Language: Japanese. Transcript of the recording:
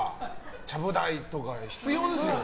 ちゃぶ台とか必要ですよ。